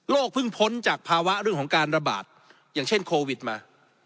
เพิ่งพ้นจากภาวะเรื่องของการระบาดอย่างเช่นโควิดมา